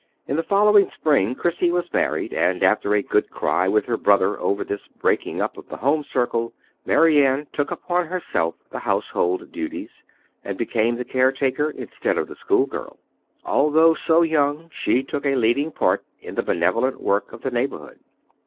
In the following spring Chrissy was married, and after a good cry with her brother over this breaking up of the home circle, Mary Ann took upon herself the household duties, and became the care taker instead of the school girl. Although so young she took a leading part in the benevolent work of the neighborhood.